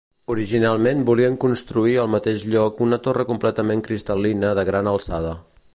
Originalment volien construir al mateix lloc una torre completament cristal·lina de gran alçada.